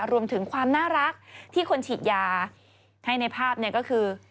รวมถึงความน่ารักที่คนฉีดยาให้ในภาพเนี่ยก็คือ